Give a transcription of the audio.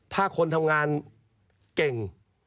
ถ้าคนทำงานเก่ง